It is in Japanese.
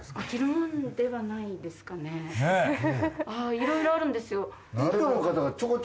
いろいろあるんですよ。